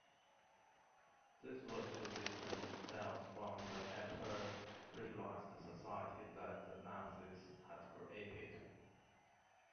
This was to distance themselves from the hyper-racialized society that the Nazis had created.